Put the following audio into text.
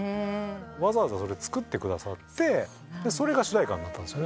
わざわざそれ作ってくださってそれが主題歌になったんです。